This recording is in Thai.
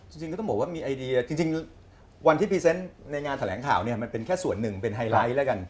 จริงก็ต้องบอกว่ามีไอเดียจริงวันที่พรีเซนต์ในงานแถลงข่าวเนี่ยมันเป็นแค่ส่วนหนึ่งเป็นไฮไลท์แล้วกัน